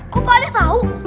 kok pak d tau